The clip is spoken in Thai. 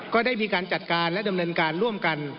ก็ได้มีการจัดการและดำเนินการร่วมกัน